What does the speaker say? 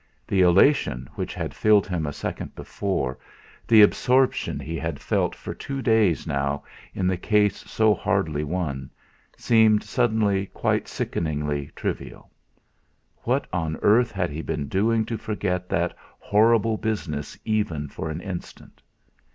The elation which had filled him a second before, the absorption he had felt for two days now in the case so hardly won, seemed suddenly quite sickeningly trivial. What on earth had he been doing to forget that horrible business even for an instant?